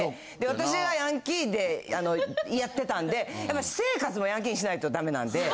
私がヤンキーでやってたんで私生活もヤンキーにしないとダメなんで。